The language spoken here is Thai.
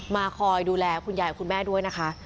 คอยดูแลคุณยายกับคุณแม่ด้วยนะคะ